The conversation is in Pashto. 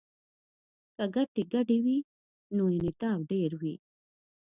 که ګټې ګډې وي نو انعطاف ډیر وي